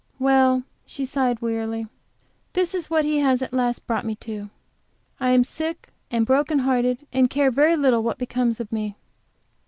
"Well," she sighed, wearily, "this is what he has at last brought me to. I am sick and broken hearted, and care very little what becomes of me."